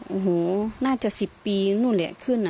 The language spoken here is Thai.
โอ้โหน่าจะ๑๐ปีนู่นแหละขึ้น